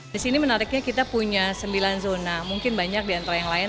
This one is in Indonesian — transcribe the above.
disini menariknya kita punya sembilan zona mungkin banyak diantara yang lain